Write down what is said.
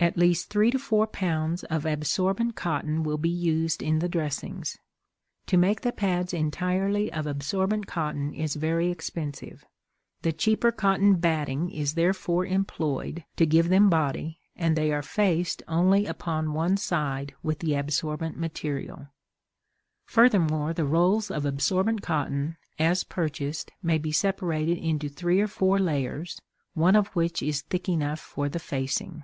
At least three to four pounds of absorbent cotton will be used in the dressings. To make the pads entirely of absorbent cotton is very expensive. The cheaper cotton batting is therefore employed to give them body, and they are faced only upon one side with the absorbent material. Furthermore, the rolls of absorbent cotton, as purchased, may be separated into three or four layers, one of which is thick enough for the facing.